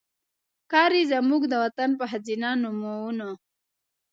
ښکاري زموږ د وطن په ښځېنه نومونو